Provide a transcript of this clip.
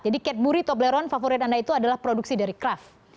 jadi kat buri toblerone favorit anda itu adalah produksi dari kraft